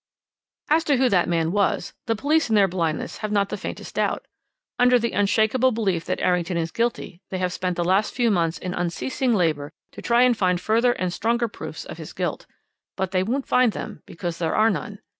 "As to who that man was, the police in their blindness have not the faintest doubt. Under the unshakable belief that Errington is guilty they have spent the last few months in unceasing labour to try and find further and stronger proofs of his guilt. But they won't find them, because there are none.